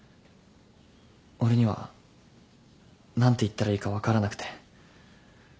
俺には何て言ったらいいか分からなくて。